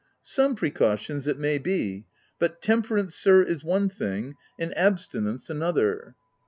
u Some precautions, it may be ; but tem perance, sir, is one thing, and abstinence another.